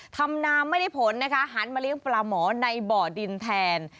ทำนาไม่ได้ผลนะคะหันมาเลี้ยงปลาหมอในบ่อดินแทน